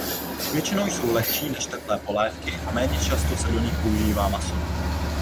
Většinou jsou lehčí než teplé polévky a méně často se do nich používá maso.